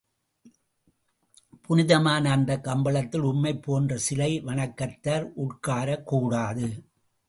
புனிதமான அந்தக் கம்பளத்தில், உம்மைப் போன்ற சிலை வணக்கத்தார் உட்காரக் கூடாது.